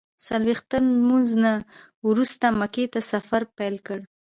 څلویښتم لمونځ وروسته مکې ته سفر پیل کړ.